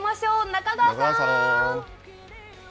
中川さん。